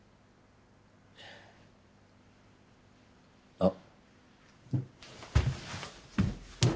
あっ。